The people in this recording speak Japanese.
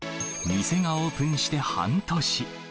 店がオープンして半年。